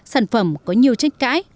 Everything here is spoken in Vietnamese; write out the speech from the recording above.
sản phẩm có nhiều trách cãi